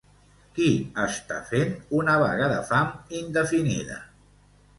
Qui està fent una vaga de fam indefinida?